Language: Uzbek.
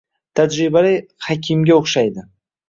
Tajribali hakimga o`xshaydi